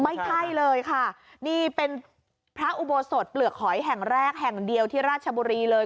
ไม่ใช่เลยค่ะนี่เป็นพระอุโบสถเปลือกหอยแห่งแรกแห่งเดียวที่ราชบุรีเลย